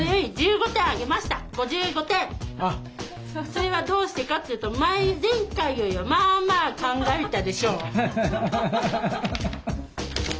それはどうしてかって言うと前回よりまあまあ考えたでしょう。